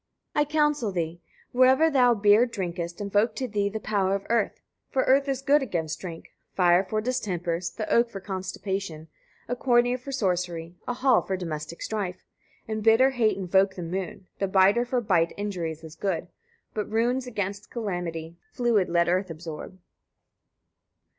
139. I counsel thee, etc. Wherever thou beer drinkest, invoke to thee the power of earth; for earth is good against drink, fire for distempers, the oak for constipation, a corn ear for sorcery, a hall for domestic strife. In bitter hates invoke the moon; the biter for bite injuries is good; but runes against calamity; fluid let earth absorb.